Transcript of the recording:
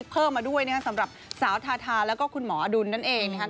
เพิ่มมาด้วยนะครับสำหรับสาวทาทาแล้วก็คุณหมออดุลนั่นเองนะครับ